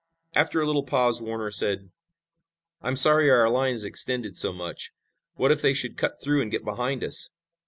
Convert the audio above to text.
After a little pause Warner said: "I'm sorry our line is extended so much. What if they should cut through and get behind us?"